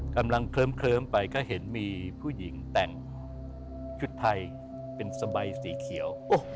กำลังเคลิ้มไปก็เห็นมีผู้หญิงแต่งชุดไทยเป็นสบายสีเขียว